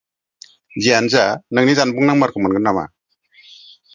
जियानो जा, नोंनि जानबुं नम्बरखौ मोनगोन नामा?